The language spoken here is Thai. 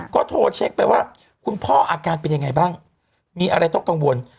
ก็โทรเช็คไปว่าคุณพ่ออาการเป็นยังไงบ้างมีอะไรต้องกังวล